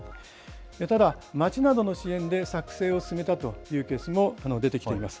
ただ、町などの支援で作成を進めたというケースも出てきています。